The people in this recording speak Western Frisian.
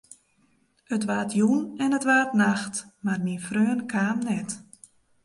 It waard jûn en it waard nacht, mar myn freon kaam net.